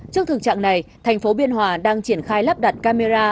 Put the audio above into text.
trước thực trạng này thành phố biên hòa đang triển khai lắp đặt camera